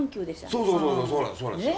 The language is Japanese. そうそうそうそうそうなんですよ。